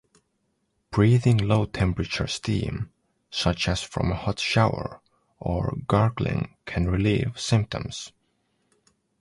Breathing low-temperature steam such as from a hot shower or gargling can relieve symptoms.